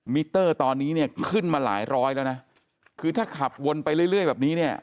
มิเตอร์ตอนนี้ขึ้นมาหลายร้อยแล้วคือถ้าขับวนไปเรื่อยแบบนี้